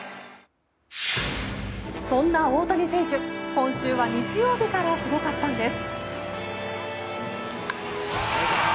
そんな大谷選手、今週は日曜日からすごかったんです。